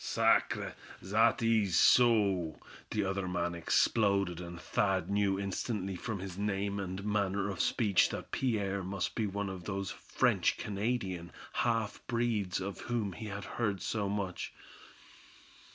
"Sacre! zat ees so," the other man exploded, and Thad knew instantly from his name and manner of speech that Pierre must be one of those French Canadian half breeds of whom he had heard so much.